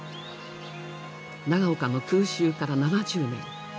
長岡の空襲から７０年。